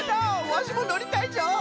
ワシものりたいぞ！